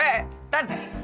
eh eh tante